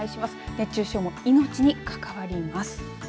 熱中症も命に関わります。